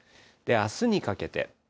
あすにかけて。